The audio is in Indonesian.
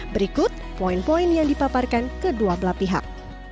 berikut poin poin yang dipaparkan kedua belah pihak